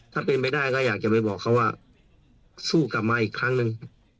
ถ้าเป็นไปได้ก็อยากจะไปบอกเขาว่าสู้กลับมาอีกครั้งหนึ่ง